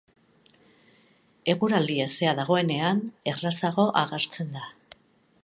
Eguraldi hezea dagoenean errazago agertzen da.